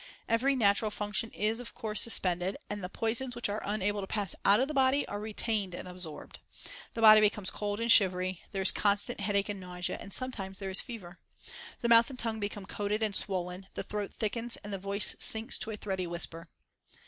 Every natural function is, of course, suspended, and the poisons which are unable to pass out of the body are retained and absorbed. The body becomes cold and shivery, there is constant headache and nausea, and sometimes there is fever. The mouth and tongue become coated and swollen, the throat thickens and the voice sinks to a thready whisper.